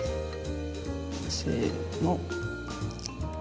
せの。